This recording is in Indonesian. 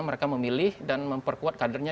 mereka memilih dan memperkuat kadernya